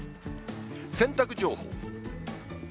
洗濯情報。